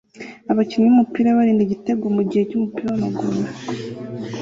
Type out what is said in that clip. Abakinnyi b'umupira barinda igitego mugihe cy'umupira w'amaguru